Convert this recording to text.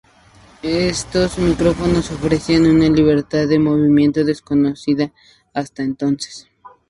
Estos micrófonos ofrecían una libertad de movimientos desconocida hasta entonces.